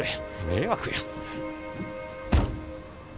迷惑や。